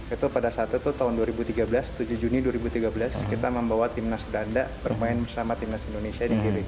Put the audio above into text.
itu pada saat itu tahun dua ribu tiga belas tujuh juni dua ribu tiga belas kita membawa timnas belanda bermain bersama timnas indonesia di gbk